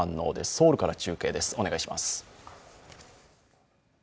ソウルから中継です。